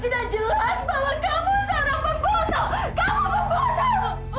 sudah jelas bahwa kamu seorang pembunuh kamu pembunuh